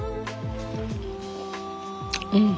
うん。